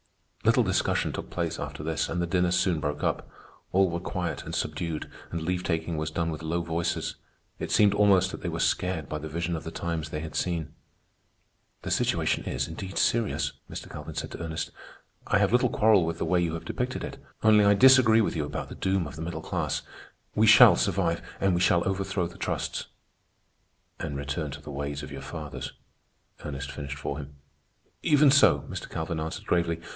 _" Little discussion took place after this, and the dinner soon broke up. All were quiet and subdued, and leave taking was done with low voices. It seemed almost that they were scared by the vision of the times they had seen. "The situation is, indeed, serious," Mr. Calvin said to Ernest. "I have little quarrel with the way you have depicted it. Only I disagree with you about the doom of the middle class. We shall survive, and we shall overthrow the trusts." "And return to the ways of your fathers," Ernest finished for him. "Even so," Mr. Calvin answered gravely.